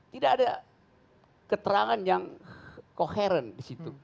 tidak ada keterangan yang koheren di situ